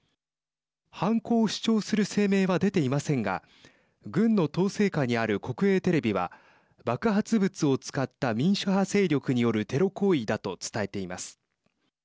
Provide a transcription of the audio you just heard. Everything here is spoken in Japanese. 犯行を主張する声明は出ていませんが軍の統制下にある国営テレビは爆発物を使った民主派勢力によるテロ行為だと伝えています。